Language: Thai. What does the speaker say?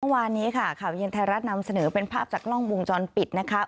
เมื่อวานนี้ค่ะข่าวเย็นไทยรัฐนำเสนอเป็นภาพจากกล้องวงจรปิดนะคะ